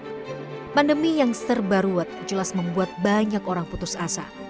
pandemi yang serba ruwet jelas membuat banyak orang putus asa